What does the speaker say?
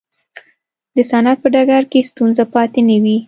د صنعت په ډګر کې ستونزه پاتې نه وي.